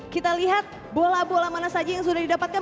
kita lihat bola bola mana saja yang sudah didapatkan